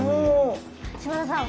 嶋田さん